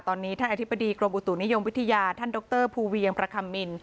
ตอนนี้ท่านอธิบดีกรมอุตุนิยมวิทยาท่านดรภูเวียงประคัมมิน